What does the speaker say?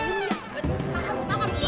eh makan dulu makan dulu